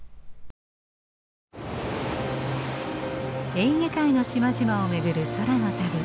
エーゲ海の島々を巡る空の旅。